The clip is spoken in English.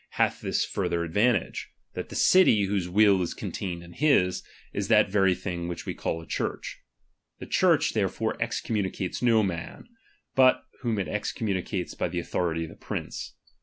hath this further advantage ; that the city whose will is contained in his, is that very thing which we call a Church, The Church therefore excommuni cates no man, but whom It excommunicates by the authority of the priuce.